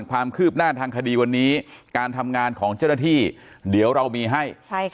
ความคืบหน้าทางคดีวันนี้การทำงานของเจ้าหน้าที่เดี๋ยวเรามีให้